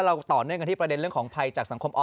ไม่ต้องครับ